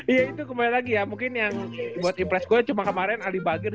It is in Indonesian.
iya itu kembali lagi ya mungkin yang buat impress gue cuma kemarin alibager